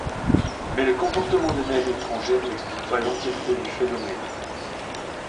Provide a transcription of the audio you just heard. Mais le comportement des mères étrangères n'explique pas l'entièreté du phénomène.